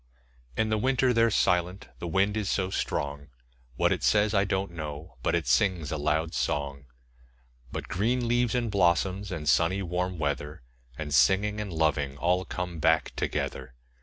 In the winter they're silent the wind is so strong; What it says, I don't know, but it sings a loud song. But green leaves, and blossoms, and sunny warm weather, 5 And singing, and loving all come back together.